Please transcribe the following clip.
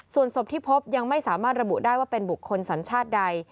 ส่วนศพที่พบยังไม่สามารถระบุได้ว่าเป็นบุคคลสัญชาติใด